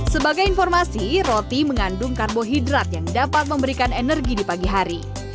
sebagai informasi roti mengandung karbohidrat yang dapat memberikan energi di pagi hari